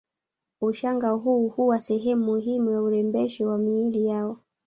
Ushanga huu huwa sehemu muhimu ya urembesho wa miili yao